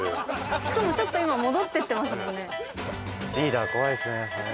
しかもちょっと今戻っていってますもんね。